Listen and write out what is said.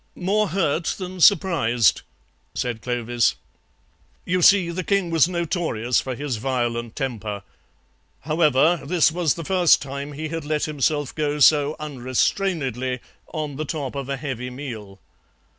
"More hurt than surprised," said Clovis. You see, the king was notorious for his violent temper. However, this was the first time he had let himself go so unrestrainedly on the top of a heavy meal.